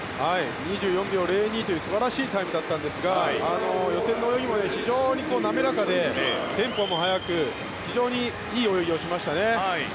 ２４秒０２という素晴らしいタイムだったんですが予選の泳ぎも非常に滑らかでテンポも速く非常にいい泳ぎをしましたね。